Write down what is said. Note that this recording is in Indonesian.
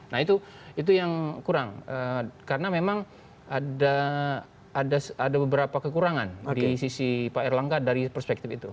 nah itu yang kurang karena memang ada beberapa kekurangan di sisi pak erlangga dari perspektif itu